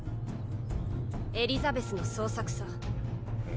エリザベスの捜索さ。